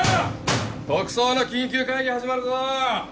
特捜の緊急会議始まるぞ！